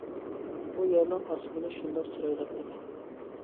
بۇ يەرنىڭ ئاسمىنى شۇنداق چىرايلىق ئىدى.